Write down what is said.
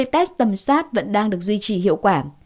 tầm soát vẫn đang được duy trì hiệu quả